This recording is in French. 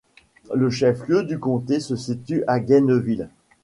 Le chef-lieu du comté se situe à Gainesville.